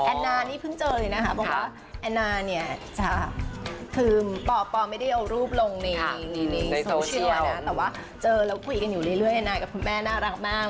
นานี่เพิ่งเจอเลยนะคะบอกว่าแอนนาเนี่ยจะคือปปไม่ได้เอารูปลงในโซเชียลนะแต่ว่าเจอแล้วคุยกันอยู่เรื่อยแอนนากับคุณแม่น่ารักมาก